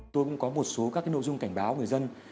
tôi cũng có một số các nội dung cảnh báo người dân